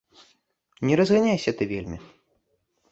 Не разганяйся ты вельмі!